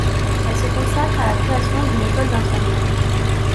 Elle se consacre à la création d'une école d'infirmières.